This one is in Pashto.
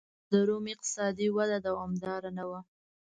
د روم اقتصادي وده دوامداره نه وه